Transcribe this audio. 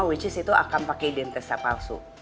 which is itu akan pakai identitas palsu